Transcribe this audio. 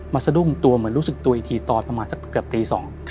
สะดุ้งตัวเหมือนรู้สึกตัวอีกทีตอนประมาณสักเกือบตี๒